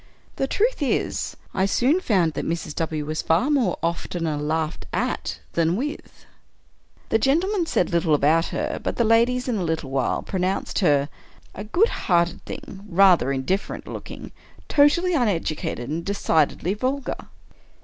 The truth is, I soon found that Mrs. W. was far oftener laughed at than zvith. The gentlemen said little about her; but the ladies, in a little while, pronounced her " a good hearted thing, rather indifferent looking, totally uneducated, and decidedly vul gar."